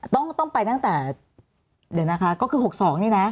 ต้องไปตั้งแต่เดี๋ยวนะคะก็คือ๖๒นี่นะ